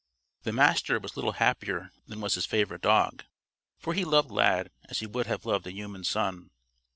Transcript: The Master was little happier than was his favorite dog. For he loved Lad as he would have loved a human son.